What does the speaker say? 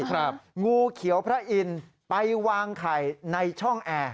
งูเขียวพระอินทร์ไปวางไข่ในช่องแอร์